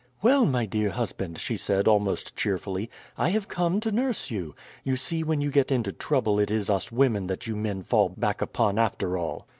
"Well, my dear husband," she said almost cheerfully, "I have come to nurse you. You see when you get into trouble it is us women that you men fall back upon after all."